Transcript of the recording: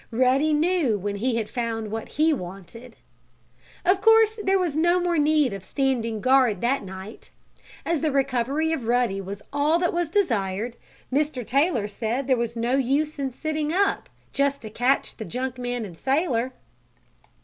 Ruddy knew when he had found what he wanted. Of course there was no more need of standing guard that night. As the recovery of Ruddy was all that was desired, Mr. Taylor said there was no use in sitting up, just to catch the junk man and sailor.